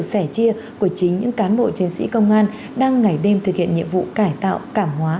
sẻ chia của chính những cán bộ chiến sĩ công an đang ngày đêm thực hiện nhiệm vụ cải tạo cảm hóa